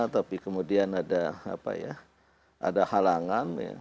tapi kemudian ada halangan